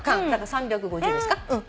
３５０ですか。